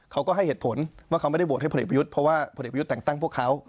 เขาก็ให้เหตุผลว่าเขาไม่ได้โหวตให้พลเอกประยุทธ์เพราะว่าผลเอกประยุทธ์แต่งตั้งพวกเขา